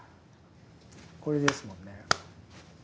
これですもんね。